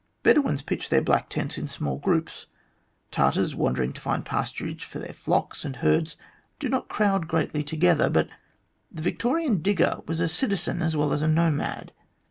Bedouins pitch their black tents in small groups. Tartars wandering to find pasturage for their flocks and herds do not crowd greatly together, but the Victorian digger was a citizen as well as a nomad.